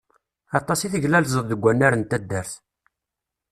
Aṭas i teglalzeḍ deg wannar n taddart.